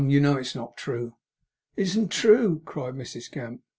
'You know it is not true.' 'Isn't true!' cried Mrs Gamp.